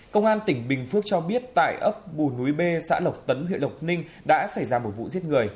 công an tỉnh bình phước cho biết tại ấp bù núi b xã lộc tấn huyện lộc ninh đã xảy ra một vụ giết người